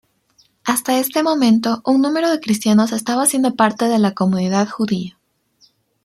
Hasta este momento un número de cristianos estaba siendo parte de la comunidad judía.